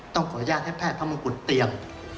ต้องขออนุญาตให้แพทย์พระมงกุฎเตรียม